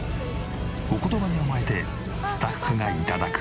お言葉に甘えてスタッフが頂く。